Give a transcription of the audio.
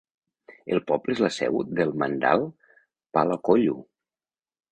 El poble és la seu del mandal Palakollu.